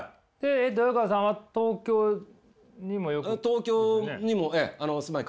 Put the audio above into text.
豊川さんは東京にもよく。